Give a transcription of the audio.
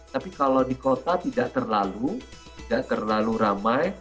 tapi kalau di kota tidak terlalu tidak terlalu ramai